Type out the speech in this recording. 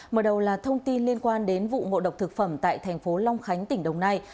mở đầu là thông tin liên quan đến vụ ngộ độc thực phẩm tại thành phố long khánh tỉnh đồng nai